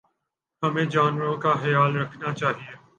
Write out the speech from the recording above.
ہمیں جانوروں کا خیال رکھنا چاہیے